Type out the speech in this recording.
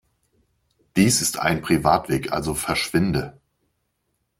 Dies ist ein Privatweg, also verschwinde!